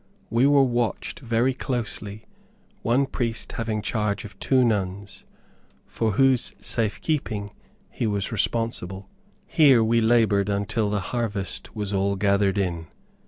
We were watched very closely, one priest having charge of two nuns, for whose safe keeping he was responsible. Here we labored until the harvest was all gathered in.